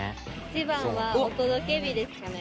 １番はお届け日ですかね。